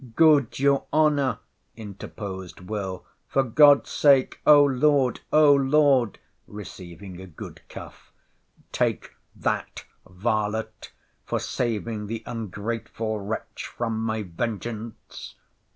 Good your honour, interposed Will., for God's sake!—O Lord, O Lord!—receiving a good cuff.— Take that, varlet, for saving the ungrateful wretch from my vengeance.